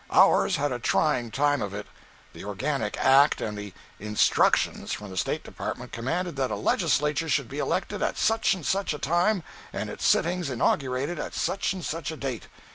Ours had a trying time of it. The Organic Act and the "instructions" from the State Department commanded that a legislature should be elected at such and such a time, and its sittings inaugurated at such and such a date.